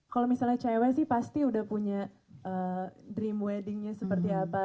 kalau misalnya cewek sih pasti udah punya dream weddingnya seperti apa